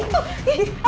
ih ih apa